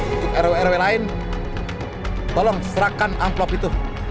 untuk rw rw lain tolong serahkan amplop itu